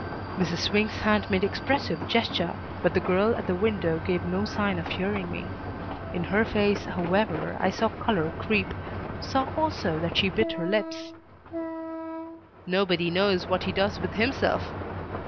Mrs. Swink's hands made expressive gesture, but the girl at the window gave no sign of hearing me. In her face, however, I saw color creep, saw also that she bit her lips. "Nobody knows what he does with himself."